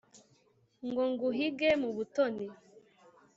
ngo nguhige mu butoni,